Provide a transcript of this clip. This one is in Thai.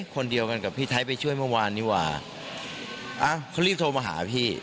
คนเดียวกันกับพี่ไทยไปช่วยเมื่อวานดีกว่าเขารีบโทรมาหาพี่